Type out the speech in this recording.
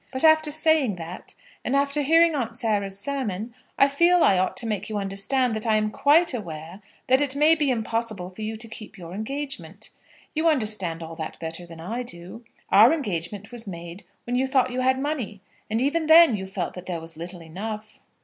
But after saying that, and after hearing Aunt Mary's sermon, I felt that I ought to make you understand that I am quite aware that it may be impossible for you to keep to your engagement. You understand all that better than I do. Our engagement was made when you thought you had money, and even then you felt that there was little enough."